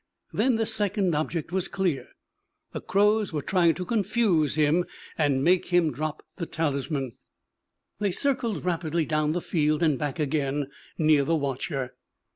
Then the second object was clear: the crows were trying to confuse him and make him drop the talisman. They circled rapidly down the field and back again, near the watcher.